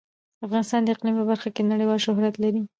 افغانستان د اقلیم په برخه کې نړیوال شهرت لري.